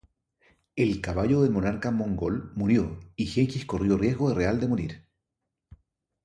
El caballo del monarca mongol murió y Gengis corrió riesgo real de morir.